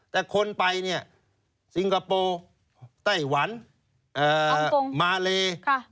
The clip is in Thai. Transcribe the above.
แต่คนไปเนี่ยซิงคโปร์ไต้หวันฮ่องกงมาเล